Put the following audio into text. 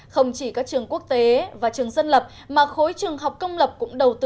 không chỉ các trường quốc tế và trường dân lập mà khối trường học công lập cũng đầu tư